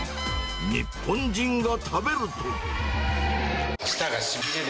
日本人が食べると。